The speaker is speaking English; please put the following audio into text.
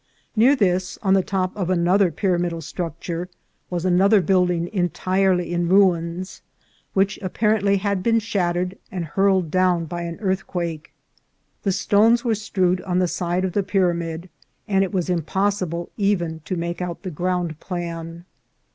Near this, on the top of another pyramidal structure, was another building entirely in ruins, which apparently had been shattered and hurled down by an earthquake. The stones were strewed on the side of the pyramid, and it was impossible even to make out the ground plan.